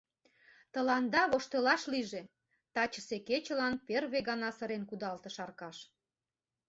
— Тыланда воштылаш лийже... — тачысе кечылан первый гана сырен кудалтыш Аркаш.